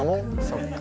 そっか。